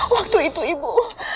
waktu itu ibu